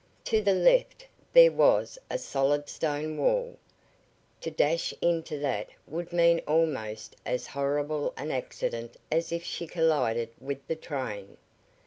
To the left there was a solid stone wall. To dash into that would mean almost as horrible an accident as if she collided with the train.